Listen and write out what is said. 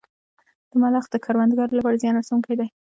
ملخ د کروندو لپاره زیان رسوونکی دی